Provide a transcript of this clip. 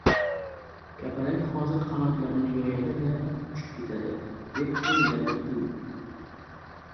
Kapalak hozir qanotlarini yoyadi-da, uchib ketadi, deb oʻyladi u.